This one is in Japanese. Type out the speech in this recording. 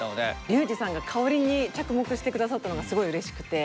リュウジさんが香りに着目してくださったのがすごいうれしくて。